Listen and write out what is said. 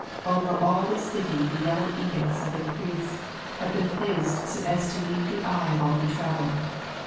Over all the city the yellow edicts of the priests have been placed so as to meet the eye of all who travel.